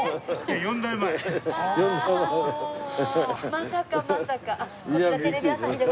まさかまさか。